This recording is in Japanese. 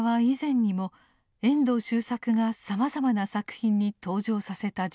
以前にも遠藤周作がさまざまな作品に登場させた人物です。